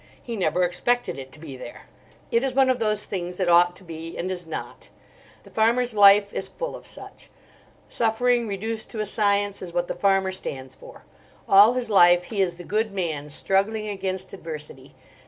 He never expected it to be there. It is one of those things that ought to be, and is not. The farmer's life is full of such. Suffering reduced to a science is what the farmer stands for. All his life he is the good man struggling against adversity.